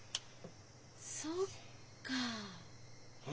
そっかあ！